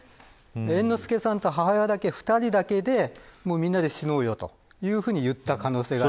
猿之助さんと母親の２人だけでみんなで死のうよと言った可能性がある。